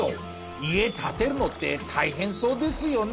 家建てるのって大変そうですよね？